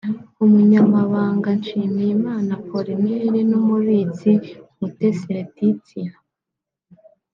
Umunyamabanga Nshimiyimana Apollinaire n’ umubitsi Mutesi Leatitia